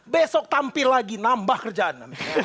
besok tampil lagi nambah kerjaan